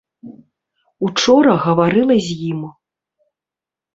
Учора гаварыла з ім.